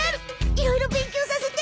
いろいろ勉強させて。